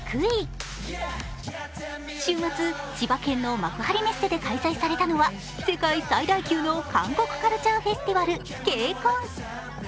週末、千葉県の幕張メッセで開催されたのは世界最大級の韓国カルチャーフェスティバル・ＫＣＯＮ。